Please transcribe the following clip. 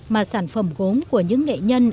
mà sản phẩm gốm của những nghệ nhân